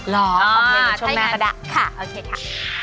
หรอโอเคถ้าอย่างนั้นค่ะโอเคค่ะอ๋อถ้าอย่างนั้นค่ะ